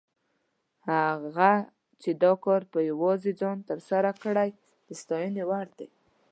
هغه چې دا کار په یوازې ځان تر سره کړی، د ستاینې وړ دی.